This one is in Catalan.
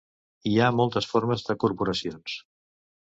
Hi ha moltes formes de corporacions.